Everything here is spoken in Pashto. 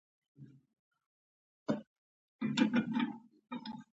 بادي انرژي د افغانستان د تکنالوژۍ پرمختګ سره تړاو لري.